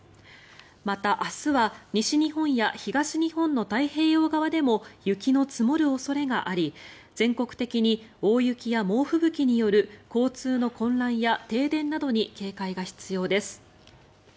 また、明日は西日本や東日本の太平洋側でも雪の積もる恐れがあり全国的に大雪や猛吹雪による交通の混乱や停電などに警戒が必要です。